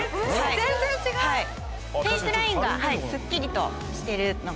・全然違う・フェースラインがすっきりとしてるのが。